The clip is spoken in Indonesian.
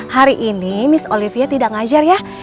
hari ini miss olivia tidak ngajar ya